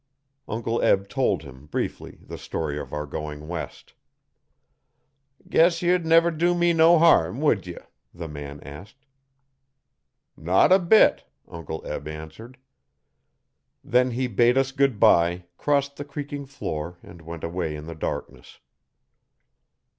Uncle Eb told him, briefly, the story of our going west 'Guess you'd never do me no harm would ye?' the man asked. 'Not a bit,' Uncle Eb answered. Then he bade us goodbye, crossed the creaking floor and went away in the darkness.